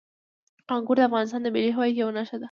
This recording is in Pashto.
انګور د افغانستان د ملي هویت یوه نښه ده.